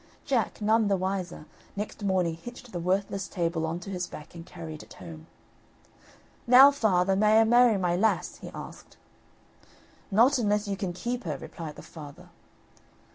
Jack, none the wiser, next morning hitched the worthless table on to his back and carried it home. "Now, father, may I marry my lass?" he asked. "Not unless you can keep her," replied the father.